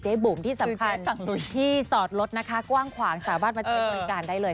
บุ๋มที่สำคัญที่จอดรถนะคะกว้างขวางสามารถมาใช้บริการได้เลย